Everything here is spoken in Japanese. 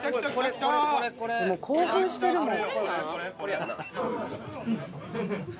もう興奮してるもん。